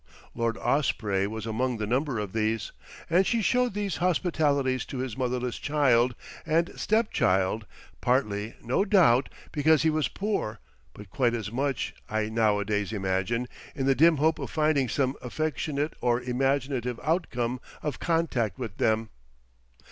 Lord Osprey was among the number of these, and she showed these hospitalities to his motherless child and step child, partly, no doubt, because he was poor, but quite as much, I nowadays imagine, in the dim hope of finding some affectionate or imaginative outcome of contact with them.